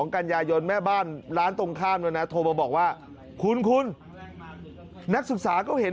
กันยายนแม่บ้านร้านตรงข้ามแล้วนะโทรมาบอกว่าคุณคุณนักศึกษาก็เห็น